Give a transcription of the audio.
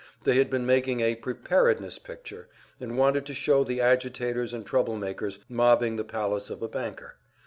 They had been making a "Preparedness" picture, and wanted to show the agitators and trouble makers, mobbing the palace of a banker.